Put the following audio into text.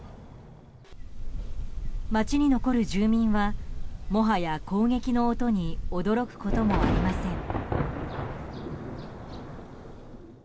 街に残る住民はもはや、攻撃の音に驚くこともありません。